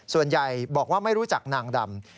ส่วนใหญ่บอกว่าไม่รู้จักนางดำ